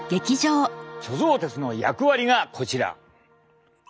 貯蔵鉄の役割がこちら。